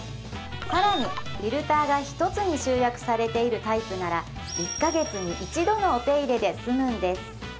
更にフィルターが１つに集約されているタイプなら１か月に１度のお手入れですむんです